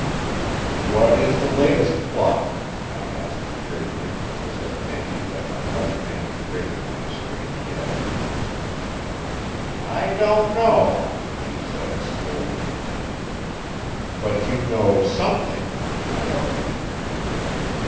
"What is the latest plot?" I asked gravely, as I fancied that my light manner grated on my strange guest. "I don't know," she said slowly. "But you know something," I argued.